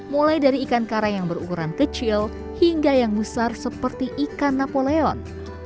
mulai dari ikan karang yang berukuran kecil hingga yang besar seperti ikan napoleon